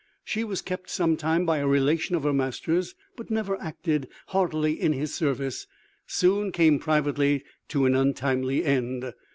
She was kept some time by a relation of her master's, but never acting heartily in his service, soon came privately to an untimely end.